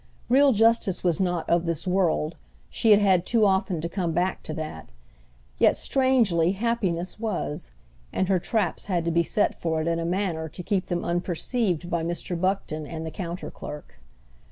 Real justice was not of this world: she had had too often to come back to that; yet, strangely, happiness was, and her traps had to be set for it in a manner to keep them unperceived by Mr. Buckton and the counter clerk.